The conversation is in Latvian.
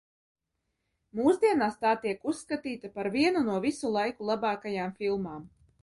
Mūsdienās tā tiek uzskatīta par vienu no visu laiku labākajām filmām.